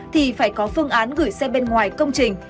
thì phải có phương án gửi xe bên ngoài công trình